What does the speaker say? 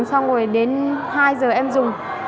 xong rồi đến hai giờ em dùng